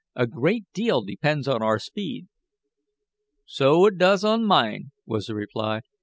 A great deal depends on our speed." "So it does on mine," was the reply.